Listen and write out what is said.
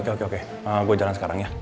oke oke gue jalan sekarang ya